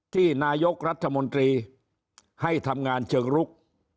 ที่นายกรัฐมนตรีให้ทำงานเชิงลุก